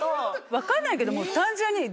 分かんないけど。